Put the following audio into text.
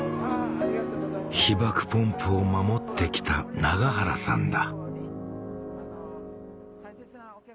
被爆ポンプを守って来た永原さんだ